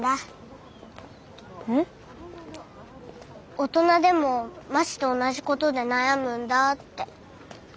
大人でもまちと同じことで悩むんだって。